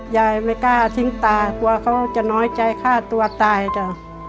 ยายไม่กล้าทิ้งตากลัวเขาจะน้อยใจฆ่าตัวตายจ้ะ